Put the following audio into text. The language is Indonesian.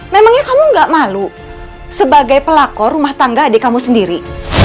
memangnya kamu gak malu sebagai pelakor rumah tangga adik kamu sendiri